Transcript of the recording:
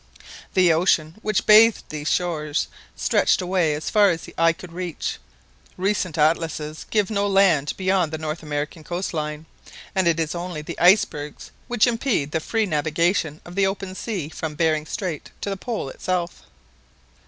The ocean which bathed these shores stretched away as far as the eye could reach Recent atlases give no land beyond the north American coast line, and it is only the icebergs which impede the free navigation of the open sea from Behring Strait to the Pole itself.